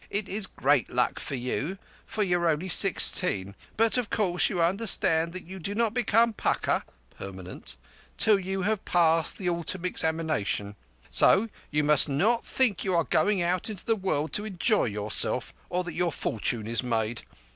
It is great luck for you, for you are only sixteen; but of course you understand that you do not become pukka (permanent) till you have passed the autumn examination. So you must not think you are going out into the world to enjoy yourself, or that your fortune is made.